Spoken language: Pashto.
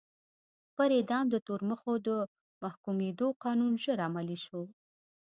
پر اعدام د تورمخو د محکومېدو قانون ژر عملي شو.